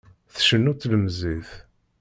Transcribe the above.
Tcennu tlemẓit.